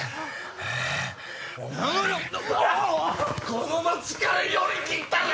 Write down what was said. この町から寄り切ったる！